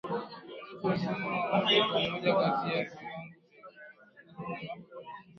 ulionyesha uhusiano wa moja kwa moja kati ya viwango vya uchafuzi wa